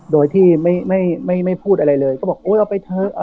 โดยที่ไม่ไม่ไม่ไม่พูดอะไรเลยก็บอกโอ้ยเอาไปเถอะ